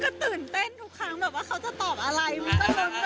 ก็ตื่นเต้นทุกครั้งแบบว่าเขาจะตอบอะไรมันก็ล้มไปด้วย